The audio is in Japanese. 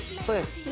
そうです。